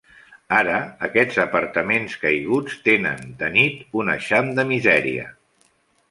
Ara, aquests apartaments caiguts tenen, de nit, un eixam de misèria.